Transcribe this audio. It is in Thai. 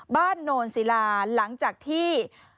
บ้านโน่นศิลาหลังจากที่